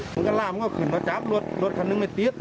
มันก็ลามก็ขึ้นมาจับรถรถคันนึงไม่ติด